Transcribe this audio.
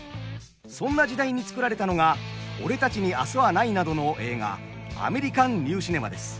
そんな時代に作られたのが「俺たちに明日はない」などの映画アメリカンニューシネマです。